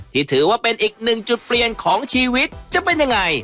ถือว่าเป็นอีกหนึ่งจุดเปลี่ยนของชีวิตจะเป็นยังไง